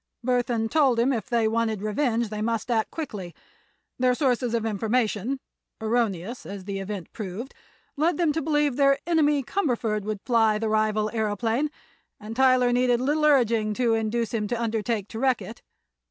Burthon told him if they wanted revenge they must act quickly. Their sources of information—erroneous, as the event proved—led them to believe their enemy Cumberford would fly the rival aëroplane, and Tyler needed little urging to induce him to undertake to wreck it.